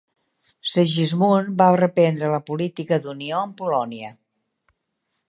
Sigismund va reprendre la política d'unió amb Polònia.